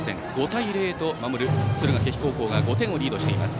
５対０、守る敦賀気比が５点をリードしています。